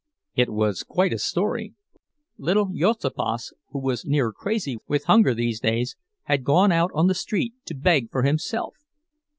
It was quite a story. Little Juozapas, who was near crazy with hunger these days, had gone out on the street to beg for himself.